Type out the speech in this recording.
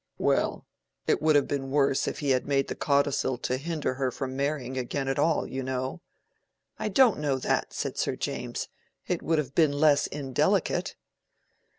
"Well, it would have been worse if he had made the codicil to hinder her from marrying again at all, you know." "I don't know that," said Sir James. "It would have been less indelicate."